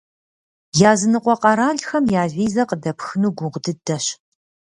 Языныкъуэ къэралхэм я визэ къыдэпхыну гугъу дыдэщ.